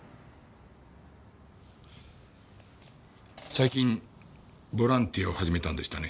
最近ボランティアを始めたんでしたね？